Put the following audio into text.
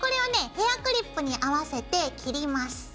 ヘアクリップに合わせて切ります。